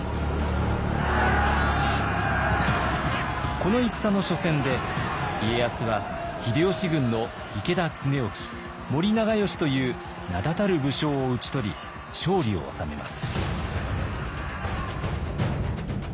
この戦の初戦で家康は秀吉軍の池田恒興森長可という名だたる武将を討ち取り勝利を収めます。